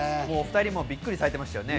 ２人もびっくりされてましたね。